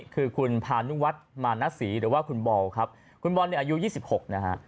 คือคุณพานุวัฒน์มาณศรีหรือว่าคุณบอลครับคุณบอลเนี่ยอายุ๒๖นะฮะ